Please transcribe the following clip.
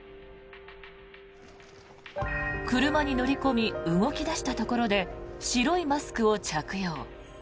車に乗り込み動き出したところで白いマスクを着用。